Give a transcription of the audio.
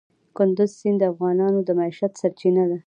کندز سیند د افغانانو د معیشت سرچینه ده.